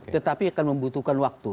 tetapi akan membutuhkan waktu